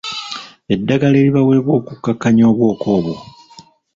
Eddagala eribaweebwa okukkakkanya obwoka obwo.